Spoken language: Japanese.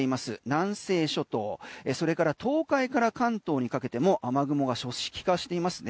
南西諸島それから東海から関東にかけても雨雲が組織化していますね。